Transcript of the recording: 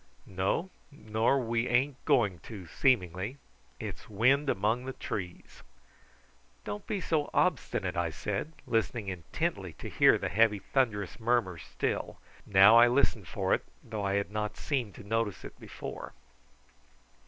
"No, nor we ain't going to, seemingly. It's wind amongst the trees." "Don't be so obstinate," I said, listening intently to hear the heavy thunderous murmur still, now I listened for it, though I had not seemed to notice it before.